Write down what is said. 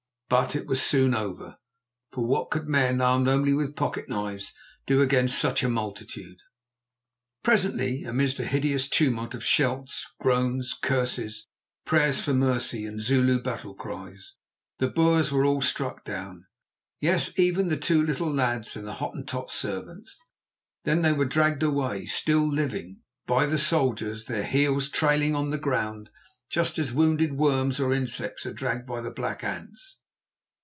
But it was soon over, for what could men armed only with pocket knives do against such a multitude? Presently, amidst a hideous tumult of shouts, groans, curses, prayers for mercy, and Zulu battle cries, the Boers were all struck down—yes, even the two little lads and the Hottentot servants. Then they were dragged away, still living, by the soldiers, their heels trailing on the ground, just as wounded worms or insects are dragged by the black ants.